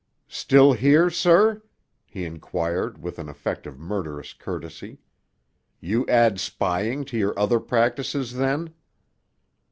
"Still here, sir?" he inquired with an effect of murderous courtesy. "You add spying to your other practises, then."